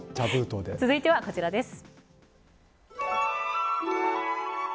続いてはこちらです。